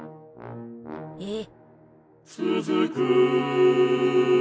えっ？